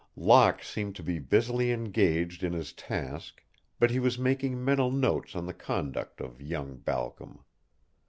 Locke seemed to be busily engaged in his task, but he was making mental notes on the conduct of young Balcom.